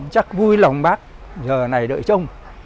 chắc vui lòng bác giờ này đợi trông